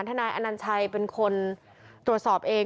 นายอนัญชัยเป็นคนตรวจสอบเอง